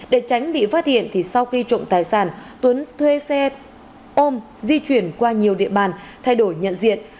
để tránh bị phát hiện thì sau khi trộm tài sản tuấn thuê xe ôm di chuyển qua nhiều địa bàn thay đổi nhận diện